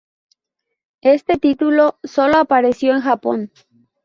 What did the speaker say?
Este título solo apareció en Japón.